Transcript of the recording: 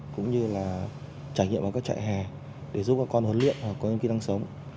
cũng như là trải nghiệm vào các trại hè để giúp các con huấn luyện và có những kỹ năng sống